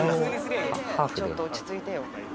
ちょっと落ち着いてよ。